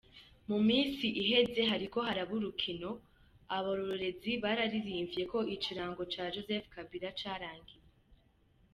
Mu misi iheze hariko haraba urukino, abarorerezi bararimvye ko ikiringo ca Joseph Kabira carangiye.